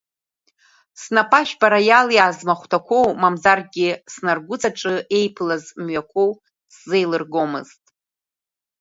Снапыашәпара иалиааз махәҭақәоу, мамзаргьы снаргәыҵаҿы еиԥылаз мҩақәоу сзеилыргомызт.